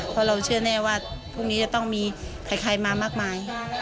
เพราะเราเชื่อแน่ว่าพรุ่งนี้จะต้องมีใครมามากมาย